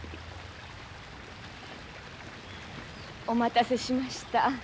お待たせしました。